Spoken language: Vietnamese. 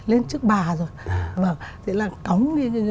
lên trước bà rồi